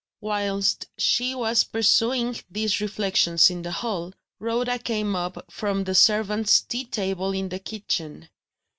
Whilst she was pursuing these reflections in the hall, Rhoda came up from the servants' tea table in the kitchen.